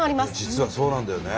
実はそうなんだよね。